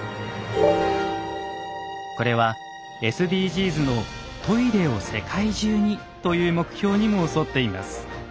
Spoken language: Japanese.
これはＳＤＧｓの「トイレを世界中に」という目標にも沿っています。